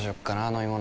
飲み物。